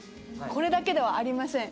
これだけではありません。